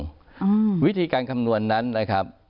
อืมวิธีการคำนวณนั้นนะครับ